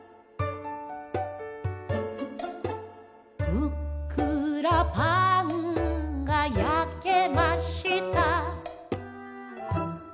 「ふっくらパンが焼けました」